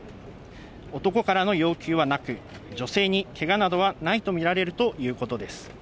男からの要求はなく、女性にけがなどはないとみられるということです。